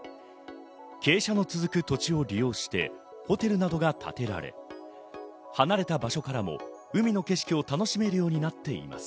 傾斜が続く土地を利用してホテルなどが立てられ、離れた場所からも海の景色を楽しめるようになっています。